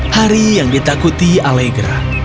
hari yang ditakuti allegra